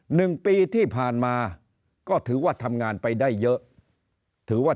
หนึ่งปีที่ผ่านมาก็ถือว่าทำงานไปได้เยอะถือว่า